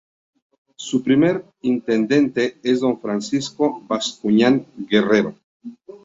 Su primer Intendente es don Francisco Bascuñán Guerrero.